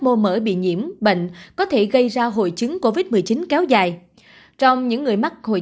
mô mỡ bị nhiễm bệnh có thể gây ra hội chứng covid một mươi chín kéo dài trong những người mắc hội